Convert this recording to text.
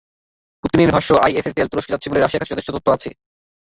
পুতিনের ভাষ্য, আইএসের তেল তুরস্কে যাচ্ছে বলে রাশিয়ার কাছে যথেষ্ট তথ্য আছে।